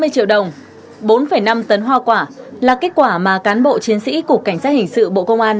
một trăm ba mươi triệu đồng bốn năm tấn hoa quả là kết quả mà cán bộ chiến sĩ của cảnh sát hình sự bộ công an